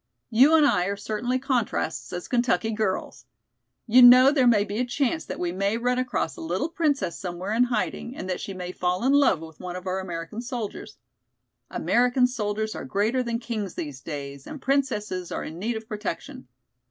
You and I are certainly contrasts as Kentucky girls! You know there may be a chance we may run across a little princess somewhere in hiding and that she may fall in love with one of our American soldiers. American soldiers are greater than kings these days, and princesses are in need of protection.